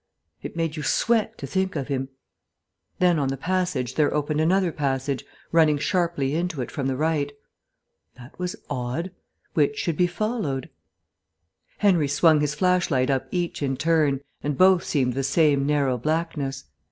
It made you sweat to think of him. Then on the passage there opened another passage, running sharply into it from the right. That was odd. Which should be followed? Henry swung his flashlight up each in turn, and both seemed the same narrow blackness.